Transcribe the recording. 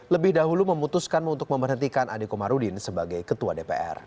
lebih dahulu memutuskan untuk memperhentikan adekomarudin sebagai ketua dpr